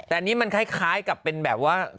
แต่อันนี้มันคล้ายกับเป็นแบบว่า